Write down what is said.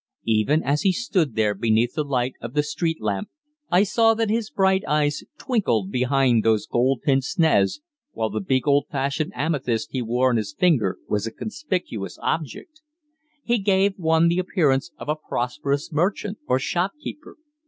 Even as he stood there beneath the light of the street lamp, I saw that his bright eyes twinkled behind those gold pince nez, while the big old fashioned amethyst he wore on his finger was a conspicuous object. He gave one the appearance of a prosperous merchant or shopkeeper.